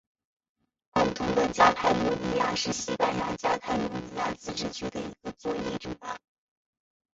共同的加泰罗尼亚是西班牙加泰罗尼亚自治区的一个左翼政党。